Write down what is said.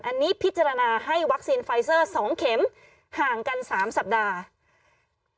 อันนี้พิจารณาให้วัคซีนไฟเซอร์๒เข็มห่างกัน๓สัปดาห์